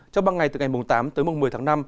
trong ba ngày từ ngày tám tới mùng một mươi tháng năm